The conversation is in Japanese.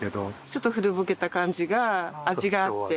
ちょっと古ぼけた感じが味があって。